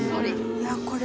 いやこれ。